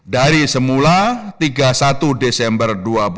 dari semula tiga puluh satu desember dua ribu dua puluh